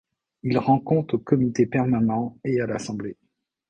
Il rend compte au Comité permanent et à l’Assemblée.